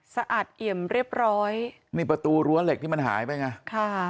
สะอาดเอี่ยมเรียบร้อยนี่ประตูรั้วเหล็กที่มันหายไปไงค่ะ